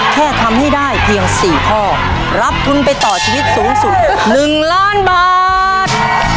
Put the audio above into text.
แค่ทำให้ได้เพียง๔ข้อรับทุนไปต่อชีวิตสูงสุด๑ล้านบาท